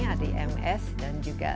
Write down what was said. ada ims dan juga